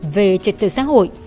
về trật tự xã hội